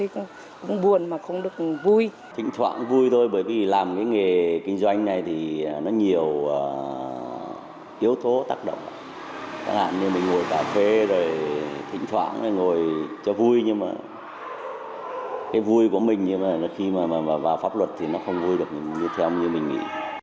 các bạn như mình ngồi cà phê rồi thỉnh thoảng ngồi cho vui nhưng mà cái vui của mình khi mà vào pháp luật thì nó không vui được như theo như mình nghĩ